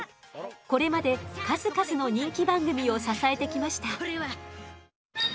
これまで数々の人気番組を支えてきました。